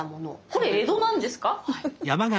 これ江戸なんですか？